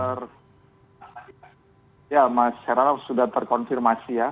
ya mas heranov sudah terkonfirmasi ya